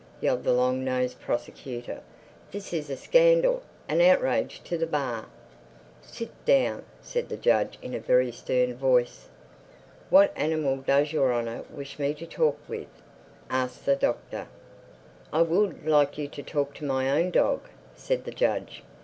yelled the long nosed Prosecutor. "This is a scandal, an outrage to the Bar!" "Sit down!" said the judge in a very stern voice. "What animal does Your Honor wish me to talk with?" asked the Doctor. "I would like you to talk to my own dog," said the judge.